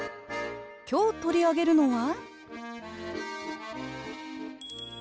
今日取り上げるのは？